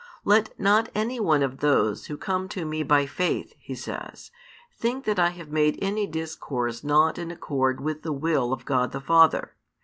Let not any one of those who come to Me by faith, He says, think that I have made any discourse not in accord with the will of God the Father.